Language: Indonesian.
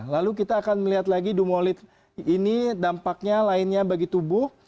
lalu kita akan melihat lagi dumolit ini dampaknya lainnya bagi tubuh